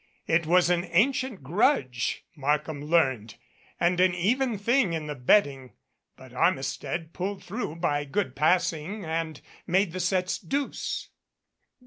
It was an ancient grudge, Markham learned, and an even thing in the betting, but Armistead pulled through by good passing and made the sets deuce.